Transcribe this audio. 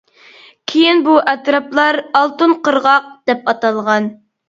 كېيىن بۇ ئەتراپلار «ئالتۇن قىرغاق» دەپ ئاتالغان.